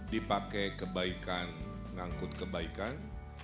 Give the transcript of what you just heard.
dipakai kebaikan mengangkut kebaikan